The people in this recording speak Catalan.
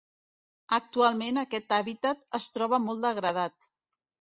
Actualment aquest hàbitat es troba molt degradat.